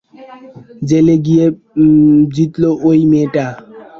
জেলে গিয়ে জিতল ঐ মেয়েটা।